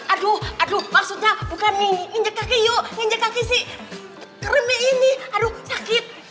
aduh aduh maksudnya bukan ini injek kaki yuk injek kaki si kremi ini aduh sakit